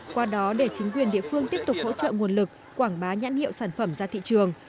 qua đó để chính quyền địa phương tiếp tục hỗ trợ nguồn lực quảng bá nhãn hiệu sản phẩm ra thị trường